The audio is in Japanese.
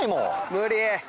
無理！